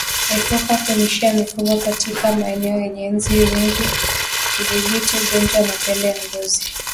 Epuka kulishia mifugo katika maeneo yenye inzi wengi kudhibiti ugonjwa wa mapele ya ngozi